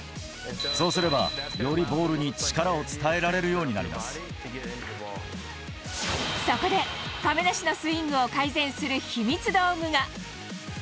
そうすれば、よりボールに力を伝そこで、亀梨のスイングを改善する秘密道具が。